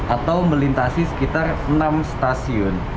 atau melintasi sekitar enam stasiun